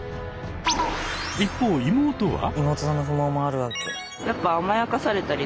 一方妹は。